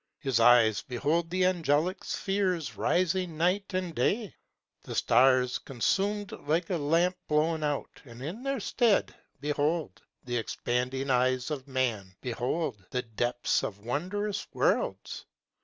His eyes behold the Angelic spheres arising night and day; The stars consum'd like a lamp blown out, and in their stead, behold The expanding eyes of Man behold the depths of wondrous worlds!